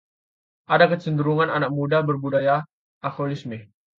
ada kecenderungan anak muda berbudaya alkoholisme